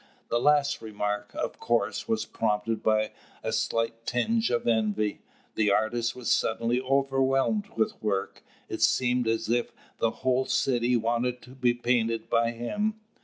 The last remark, of course, was prompted by a slight tinge of envy. The artist was suddenly overwhelmed with work. It seemed as if the whole city wanted to be painted by him.